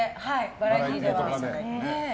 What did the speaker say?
バラエティーでは。